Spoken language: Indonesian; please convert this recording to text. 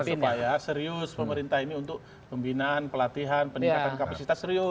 kita dorong pembayar serius pemerintah ini untuk pembinaan pelatihan peningkatan kapasitas serius